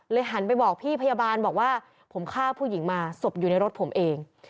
หันไปบอกพี่พยาบาลบอกว่าผมฆ่าผู้หญิงมาศพอยู่ในรถผมเอง